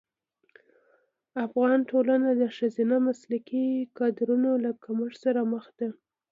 افغان ټولنه د ښځینه مسلکي کدرونو له کمښت سره مخ ده.